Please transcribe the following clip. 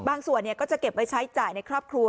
ส่วนก็จะเก็บไว้ใช้จ่ายในครอบครัว